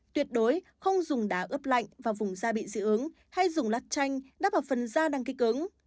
tuyệt đối không dùng đá ướp lạnh vào vùng da bị dị ứng hay dùng lát chanh đắp vào phần da đang kích ứng